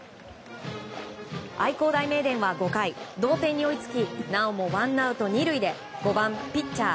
愛工大名電は５回同点に追いつきなおもワンアウト２塁で５番、ピッチャー